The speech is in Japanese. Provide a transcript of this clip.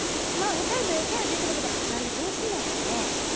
まあ２人のええキャラ出てるけど何で全身なんやろうね？